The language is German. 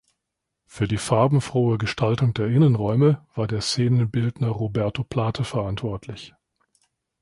Für die farbenfrohe Gestaltung der Innenräume war der Szenenbildner Roberto Plate verantwortlich.